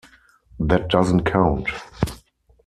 That doesn't count...